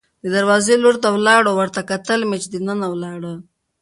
د دروازې لور ته ولاړو، ورته کتل مې چې دننه ولاړه.